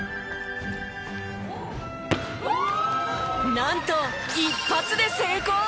なんと１発で成功！